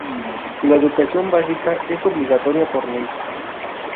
La educación básica es obligatoria por ley.